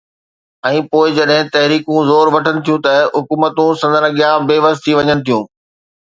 ۽ پوءِ جڏهن تحريڪون زور وٺن ٿيون ته حڪومتون سندن اڳيان بي وس ٿي وڃن ٿيون.